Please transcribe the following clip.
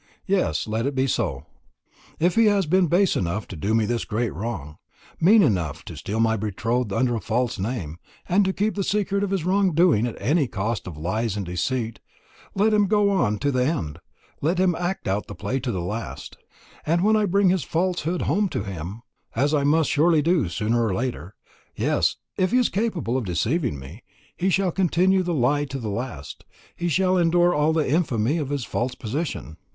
Yes, let it be so. If he has been base enough to do me this great wrong mean enough to steal my betrothed under a false name, and to keep the secret of his wrong doing at any cost of lies and deceit let him go on to the end, let him act out the play to the last; and when I bring his falsehood home to him, as I must surely do, sooner or later, yes, if he is capable of deceiving me, he shall continue the lie to the last, he shall endure all the infamy of his false position."